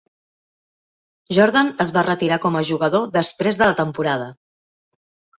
Jordan es va retirar com a jugador després de la temporada.